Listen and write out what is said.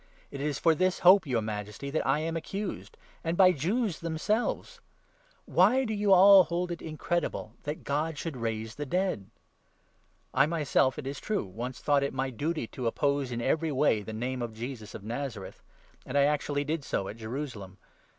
It is for this hope, your Majesty, that I am accused — and by Jews themselves ! Why do you all hold it incredible that God 8 should raise the dead ? I myself, it is true, once 9 thought it my duty to oppose in every way the Name of Jesus of Nazareth ; and I actually did so at Jerusalem.